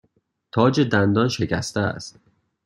تاج دندان شکسته است.